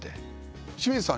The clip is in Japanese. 清水さん